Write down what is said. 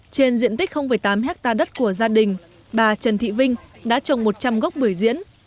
trên diện tích tám hectare đất của gia đình bà trần thị vinh đã trồng một trăm linh gốc bưởi diễn